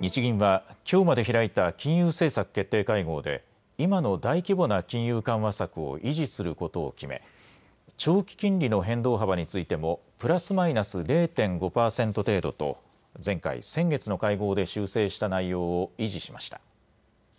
日銀はきょうまで開いた金融政策決定会合で今の大規模な金融緩和策を維持することを決め長期金利の変動幅についてもプラスマイナス０．５％程度と前回、先月の会合で修正した内容を維持しました。